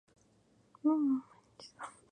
El mejor estudiado y documentado es el de Cartago.